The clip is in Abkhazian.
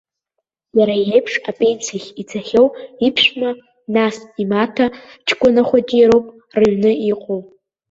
Иара иеиԥш апенсиахь ицахьоу иԥшәма, нас имаҭа ҷкәына хәыҷи роуп рыҩны иҟоу.